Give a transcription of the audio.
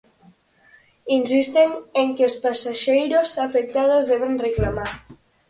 Insisten en que os pasaxeiros afectados deben reclamar.